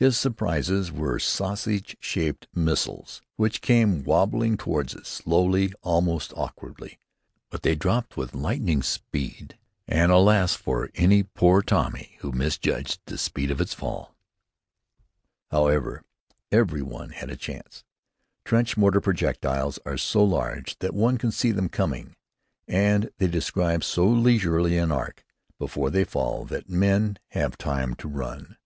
His surprises were sausage shaped missiles which came wobbling toward us, slowly, almost awkwardly; but they dropped with lightning speed, and alas, for any poor Tommy who misjudged the place of its fall! However, every one had a chance. Trench mortar projectiles are so large that one can see them coming, and they describe so leisurely an arc before they fall that men have time to run.